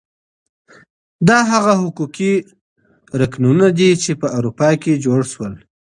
دا هغه حقوقي رکنونه دي چي په اروپا کي جوړ سول.